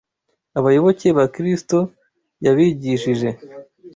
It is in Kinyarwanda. Abayoboke ba Kristo yabigishije